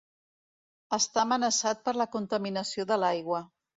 Està amenaçat per la contaminació de l'aigua.